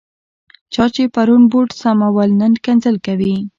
چا چې پرون بوټ سمول، نن کنځل کوي.